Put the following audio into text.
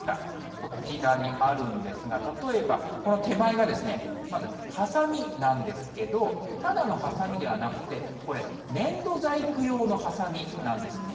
こちらにあるんですが、例えば、この手前が、まず、はさみなんですけど、ただのはさみではなくて、これ、粘土細工用のはさみなんですって。